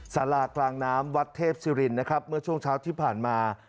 สารากลางน้ำวัดเทพศิรินนะครับเมื่อช่วงเช้าที่ผ่านมา